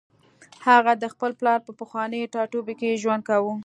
هغه د خپل پلار په پخواني ټاټوبي کې ژوند کاوه